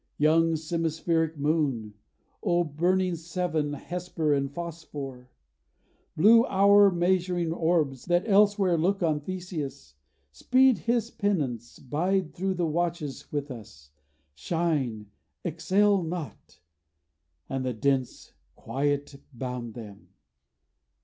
Young semispheric moon, O burning Seven, Hesper and Phosphor! blue hour measuring orbs That elsewhere look on Theseus! Speed his pinnace, Bide thro' the watches with us; shine; exhale not!' And the dense quiet bound them.